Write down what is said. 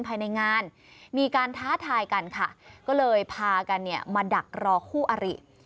ภายในงานมีการท้าทายกันค่ะก็เลยพากันเนี่ยมาดักรอคู่อริ